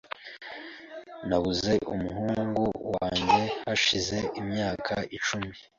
Nabuze umuhungu wanjye hashize imyaka icumi .